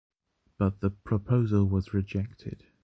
But the proposal was rejected.